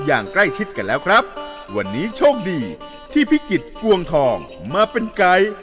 อย่างใกล้ชิดกันแล้วครับวันนี้โชคดีที่พิกิจกวงทองมาเป็นไกด์